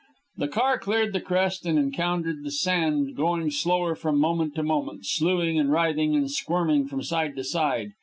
The car cleared the crest and encountered the sand, going slower from moment to moment, slewing and writhing and squirming from side to side.